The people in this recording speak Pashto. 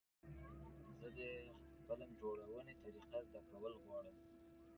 زه د فلم جوړونې طریقه زده کول غواړم.